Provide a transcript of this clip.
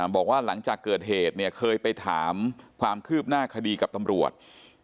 บอกว่าหลังจากเกิดเหตุเนี่ยเคยไปถามความคืบหน้าคดีกับตำรวจ